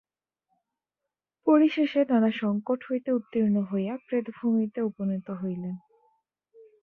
পরিশেষে নানা সঙ্কট হইতে উত্তীর্ণ হইয়া প্রেতভূমিতে উপনীত হইলেন।